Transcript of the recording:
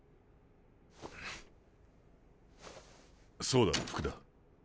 そうだ福田。